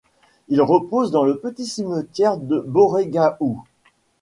Il repose dans le petit cimetière de Borégahou.